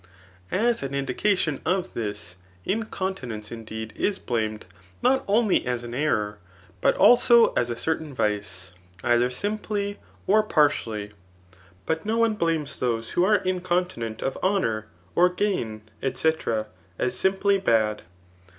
] As an indica tion of this, incontinence indeed is blamed, not only as an error, but also as a certain vice, either simply, or par tially ; but no one blames those who are incontinent of ^ honour, or gain, &c. as simply bad.